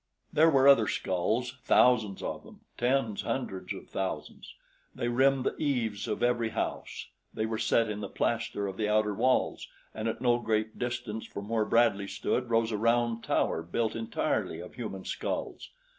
There were other skulls thousands of them tens, hundreds of thousands. They rimmed the eaves of every house, they were set in the plaster of the outer walls and at no great distance from where Bradley stood rose a round tower built entirely of human skulls.